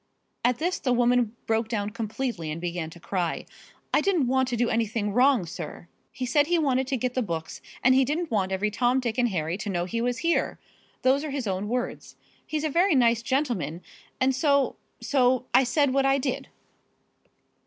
At this the woman broke down completely and began to cry. "I didn't want to do any wrong, sir. He said he wanted to get the books and he didn't want every Tom, Dick and Harry to know he was here those are his own words. He's a very nice gentleman, and so so I said what I did."